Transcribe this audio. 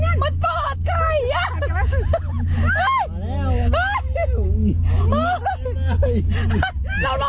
อุ้ยมันเปิดว่ะ